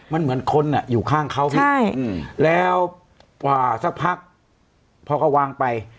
มันเหมือนคนอยู่ข้างเขาพี่แล้วกว่าสักพักพอเขาวางไป